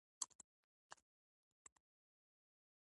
جک کانفیلډ وایي هڅه نه کول اندېښنه ده.